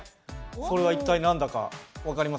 それは一体何だか分かりますか？